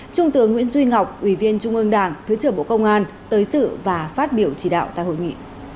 trung tướng nguyễn duy ngọc ủy viên trung ương đảng thứ trưởng bộ công an tới sự và phát biểu chỉ đạo tại hội nghị